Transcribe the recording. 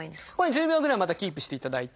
１０秒ぐらいまたキープしていただいて。